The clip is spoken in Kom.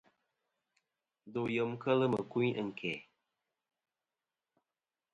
Ndo yem kel mɨkuyn ɨ̀nkæ̀.